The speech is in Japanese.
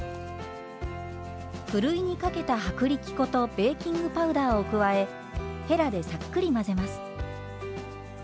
ふるいにかけた薄力粉とベーキングパウダーを加えへらでさっくり混ぜます。